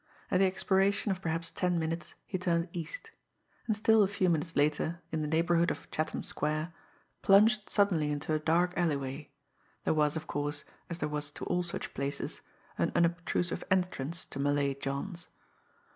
At the expiration of perhaps ten minutes, he turned east; and still a few minutes later, in the neighbourhood of Chatham Square, plunged suddenly into a dark alleyway there was, of course, as there was to all such places, an unobtrusive entrance to Malay John's.